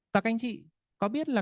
và các anh chị có biết là